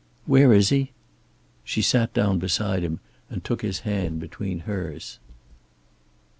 "Where is he?" She sat down beside him and took his hand between hers.